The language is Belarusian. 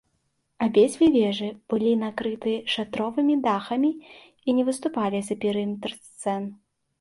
Абедзве вежы былі накрыты шатровымі дахамі і не выступалі за перыметр сцен.